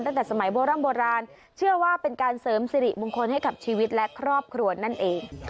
ตั้งแต่สมัยโบร่ำโบราณเชื่อว่าเป็นการเสริมสิริมงคลให้กับชีวิตและครอบครัวนั่นเอง